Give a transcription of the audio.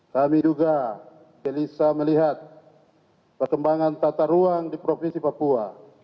kami juga gelisah melihat perkembangan tata ruang di provinsi papua